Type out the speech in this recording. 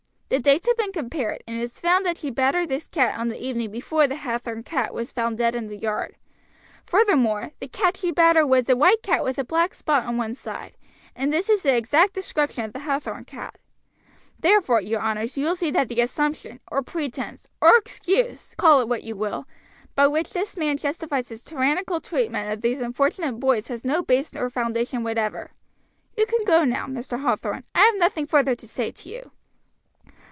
The dates have been compared, and it is found that she battered this cat on the evening before the Hathorn cat was found dead in the yard. Furthermore, the cat she battered was a white cat with a black spot on one side, and this is the exact description of the Hathorn cat; therefore, your honors, you will see that the assumption, or pretense, or excuse, call it what you will, by which this man justifies his tyrannical treatment of these unfortunate boys has no base or foundation whatever. You can go now, Mr. Hathorn; I have nothing further to say to you."